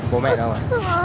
bố mẹ đâu mà